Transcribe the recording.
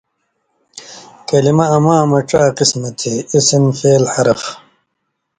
کلمہ امامہ ڇا قسمہ تھی، اسم ، فعل ، حرف